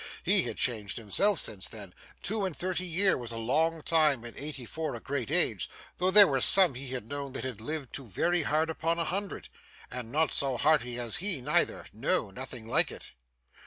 He had changed, himself, since then. Two and thirty year was a long time and eighty four a great age, though there was some he had known that had lived to very hard upon a hundred and not so hearty as he, neither no, nothing like it.